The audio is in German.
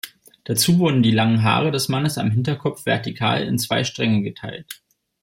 Dazu wurden die langen Haare des Mannes am Hinterkopf vertikal in zwei Stränge geteilt.